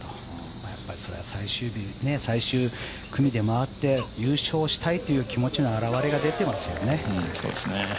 それは最終日最終組で回って優勝したいという気持ちの表れが出ていますよね。